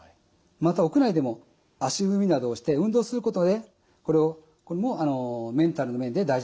また屋内でも足踏みなどをして運動することでこれもメンタルの面で大事なことだと思っています。